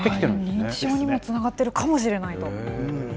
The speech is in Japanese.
認知症にもつながっているかもしれないと。